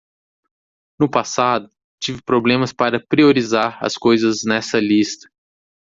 No passado, tive problemas para priorizar as coisas nessa lista.